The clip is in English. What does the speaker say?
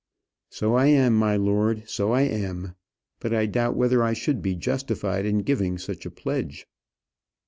"So I am, my lord; so I am. But I doubt whether I should be justified in giving such a pledge."